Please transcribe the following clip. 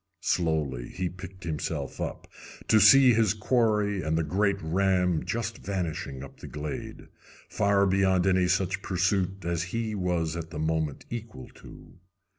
Slowly he picked himself up, to see his quarry and the great ram just vanishing up the glade, far beyond any such pursuit as he was at the moment equal to.